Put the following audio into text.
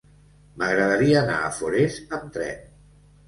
M'agradaria anar a Forès amb tren.